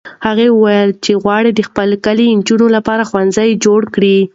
هغه وویل چې غواړي د خپل کلي د نجونو لپاره ښوونځی جوړ کړي.